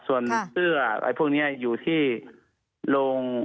ส่วนเสื้ออะไรพวกนี้อยู่ที่โรง